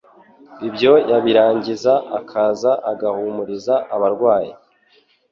Ibyo yabirangiza akaza agahumuriza abarwayi,